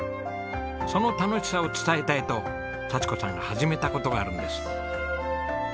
その楽しさを伝えたいと幸子さんが始めた事があるんです。